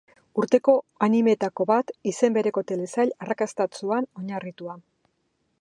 Urteko anime-tako bat, izen bereko telesail arrakastatsuan oinarritua.